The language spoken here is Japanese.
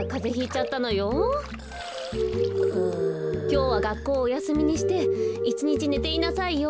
きょうはがっこうおやすみにしていちにちねていなさいよ。